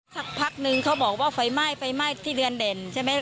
สักพักนึงเขาบอกว่าไฟไหม้ไฟไหม้ที่เรือนเด่นใช่ไหม